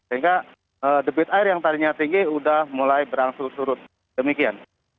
sehingga debit air yang tadinya tinggi sudah mulai berangsur surut demikian